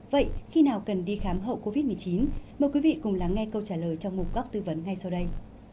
vậy khi nào cần đi khám hậu covid một mươi chín mời quý vị cùng lắng nghe câu trả lời trong một góc tư vấn ngay sau đây